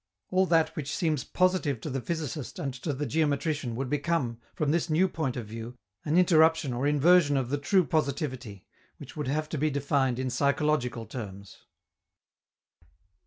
All that which seems positive to the physicist and to the geometrician would become, from this new point of view, an interruption or inversion of the true positivity, which would have to be defined in psychological terms.